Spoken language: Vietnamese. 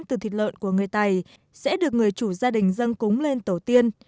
từ thịt lợn của người tây sẽ được người chủ gia đình dân cúng lên tổ tiên